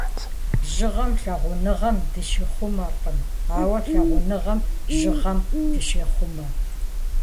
Жьыгъэм лъагъуныгъэм дыщихъумэркъым, ауэ лъагъуныгъэм жьыгъэм дыщехъумэ.